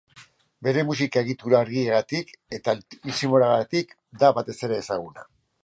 Bere musika-egitura argiagatik eta lirismoagatik da batez ere ezaguna.